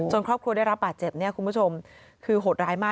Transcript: ครอบครัวได้รับบาดเจ็บเนี่ยคุณผู้ชมคือโหดร้ายมาก